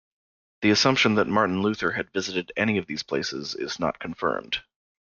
The assumption that Martin Luther had visited any of these places is not confirmed.